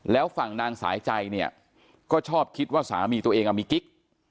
แล้วฝั่งนางสายใจเนี่ยก็ชอบคิดว่าสามีตัวเองมีกิ๊ก